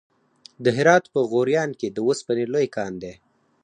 د هرات په غوریان کې د وسپنې لوی کان دی.